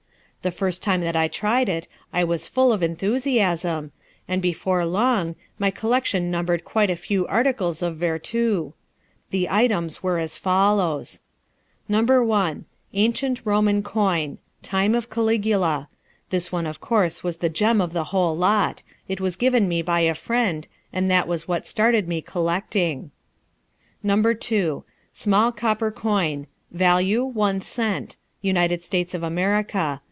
The first time that I tried it I was full of enthusiasm, and before long my collection numbered quite a few articles of vertu. The items were as follows: No. 1. Ancient Roman coin. Time of Caligula. This one of course was the gem of the whole lot; it was given me by a friend, and that was what started me collecting. No. 2. Small copper coin. Value one cent. United States of America.